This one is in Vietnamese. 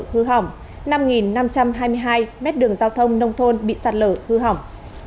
hư hỏng năm năm trăm hai mươi hai mét đường giao thông nông thôn bị sạt lở hư hỏng